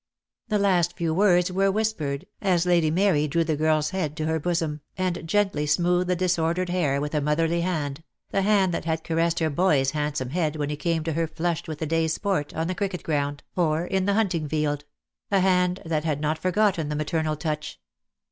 The last few words were whispered, as Lady 3* 36 DEAD LOVE HAS CHAINS. Mary drew the girl's head to her bosom, and gently smoothed the disordered hair, with a motherly hand, the hand that had caressed her boy's handsome head when he came to her flushed with a day's sport, on the cricket ground, or in the hunt ing field; a hand that had not forgotten the maternal touch.